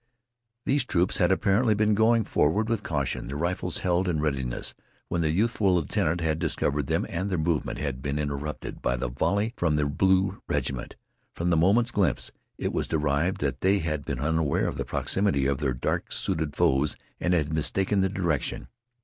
These troops had apparently been going forward with caution, their rifles held in readiness, when the youthful lieutenant had discovered them and their movement had been interrupted by the volley from the blue regiment. From the moment's glimpse, it was derived that they had been unaware of the proximity of their dark suited foes or had mistaken the direction.